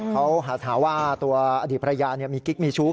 เขาหาว่าตัวอดีตภรรยามีกิ๊กมีชู้